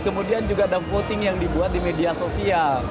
kemudian juga ada voting yang dibuat di media sosial